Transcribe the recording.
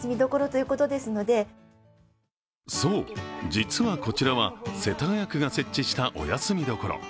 実はこちらは世田谷区が設置したお休み処。